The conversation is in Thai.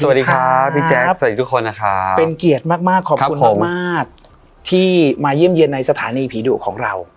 สวัสดีครับพี่แจ๊คสวัสดีทุกคนนะครับเป็นเกียรติมากมากขอบคุณมากที่มาเยี่ยมเยี่ยมในสถานีผีดุของเรา